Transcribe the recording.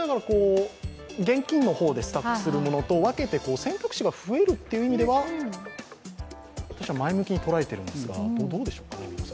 現金の方でストックするものと、選択肢が増えるという意味では、前向きに捉えているんですがどうでしょうかね？